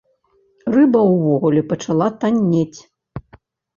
Рыба ўвогуле пачала таннець.